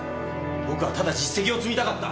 僕はただ実績を積みたかった。